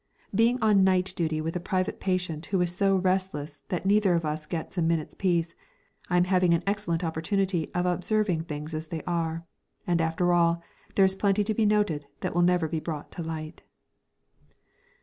_ Being on night duty with a private patient who is so restless that neither of us gets a minute's peace, I am having an excellent opportunity of observing things as they are; and, after all, there is plenty to be noted that will never be brought to light.